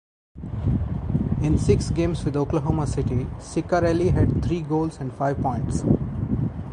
In six games with Oklahoma City, Ciccarelli had three goals and five points.